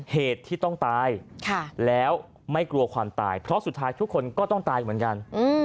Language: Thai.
เหตุที่ต้องตายแล้วไม่กลัวความตายเพราะสุดท้ายทุกคนก็ต้องตายเหมือนกัน